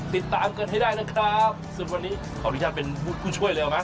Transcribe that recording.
ติดตามกันให้ได้นะครับซึ่งวันนี้ขออนุญาตเป็นผู้ช่วยเร็วไหม